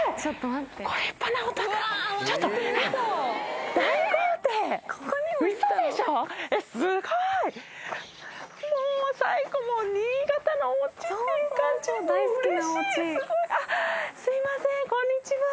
あっすいませんこんにちは。